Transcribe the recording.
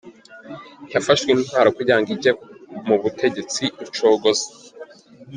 ntiyafashe intwaro kugira ngo ijye mu butegetsi-Rucogoza